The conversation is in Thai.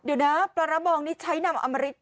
เดี๋ยวนะปลาระบองนี่ใช้นำอมริต